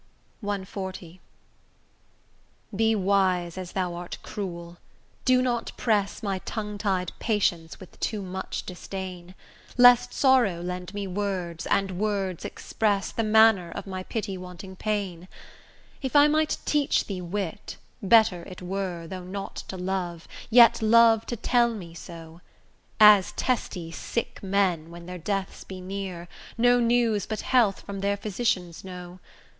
CXL Be wise as thou art cruel; do not press My tongue tied patience with too much disdain; Lest sorrow lend me words, and words express The manner of my pity wanting pain. If I might teach thee wit, better it were, Though not to love, yet love to tell me so, As testy sick men, when their deaths be near, No news but health from their physicians know.